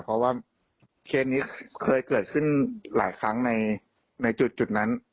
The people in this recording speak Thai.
เพราะว่าเคสนี้เคยเกิดขึ้นหลายครั้งในจุดนั้น